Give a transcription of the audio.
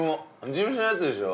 事務所のやつでしょ？